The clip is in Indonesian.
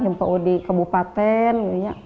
ke paud kebupaten